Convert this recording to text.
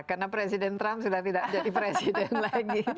karena presiden trump sudah tidak jadi presiden lagi